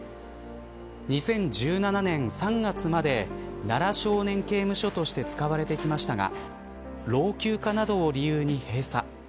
２０１７年３月まで奈良少年刑務所として使われてきましたが老朽化などを理由に閉鎖。